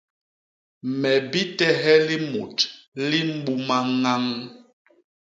Me bitehe limut li mbuma ñañ.